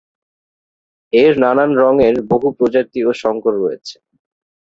এর নানান রঙের বহু প্রজাতি ও শঙ্কর রয়েছে।